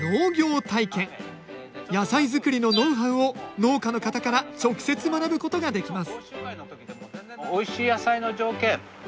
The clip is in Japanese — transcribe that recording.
野菜作りのノウハウを農家の方から直接学ぶことができます。